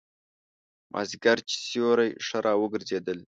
مازیګر چې سیوري ښه را وګرځېدل.